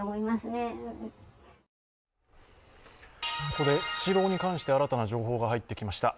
ここでスシローに関して新たな情報が入ってきました。